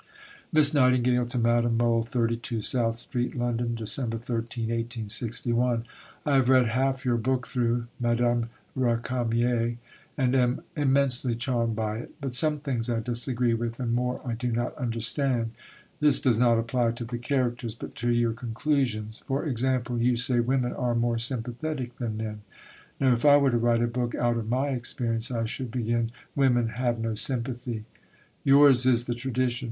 (Miss Nightingale to Madame Mohl.) 32 SOUTH STREET, LONDON, Dec. 13 . I have read half your book thro' [Madame Récamier], and am immensely charmed by it. But some things I disagree with and more I do not understand. This does not apply to the characters, but to your conclusions, e.g. you say "women are more sympathetic than men." Now if I were to write a book out of my experience, I should begin Women have no sympathy. Yours is the tradition.